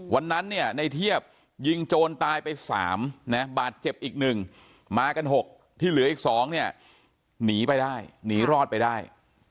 วันนั้นเนี่ยในเทียบยิงโจรตายไป๓นะบาดเจ็บอีก๑มากัน๖ที่เหลืออีก๒เนี่ยหนีไปได้หนีรอดไปได้